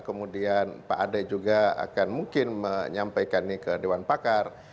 kemudian pak ade juga akan mungkin menyampaikan ini ke dewan pakar